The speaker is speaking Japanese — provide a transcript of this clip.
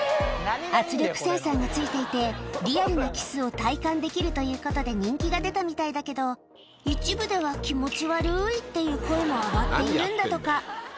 圧力センサーがついていて、リアルなキスを体感できるということで人気が出たみたいだけど、一部では気持ち悪いっていう声も上がっているんだとか。